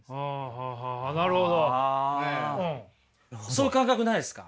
そういう感覚ないですか？